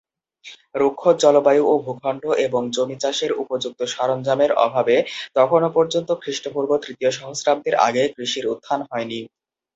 রুক্ষ জলবায়ু ও ভূখণ্ড এবং জমি চাষের উপযুক্ত সরঞ্জামের অভাবে তখনো পর্যন্ত খ্রিস্টপূর্ব তৃতীয় সহস্রাব্দের আগে কৃষির উত্থান হয়নি।